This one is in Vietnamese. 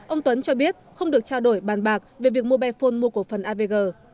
ông tuấn cho biết không được trao đổi bàn bạc về việc mobile phone mua cổ phần avg